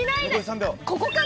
ここかな？